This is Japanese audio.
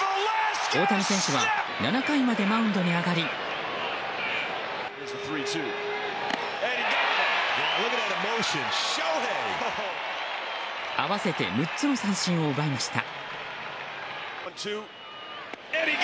大谷選手は７回までマウンドに上がり合わせて６つの三振を奪いました。